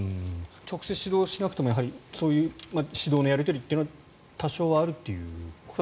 直接指導しなくてもそういう指導のやり取りは多少はあるということですか。